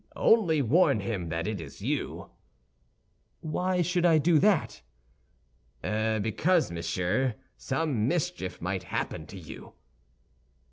Only warn him that it is you." "Why should I do that?" "Because, monsieur, some mischief might happen to you."